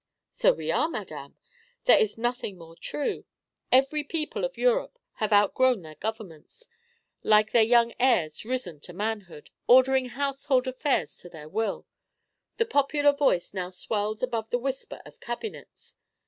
"So we are, madame; there is nothing more true. Every people of Europe have outgrown their governments, like young heirs risen to manhood, ordering household affairs to their will. The popular voice now swells above the whisper of cabinets.